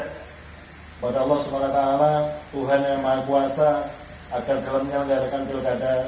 kepada allah swt tuhan yang mahakuasa agar dalam penyelenggaraan pilkada